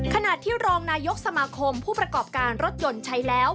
ขณะที่รองนายกสมาคมผู้ประกอบการรถยนต์ใช้แล้ว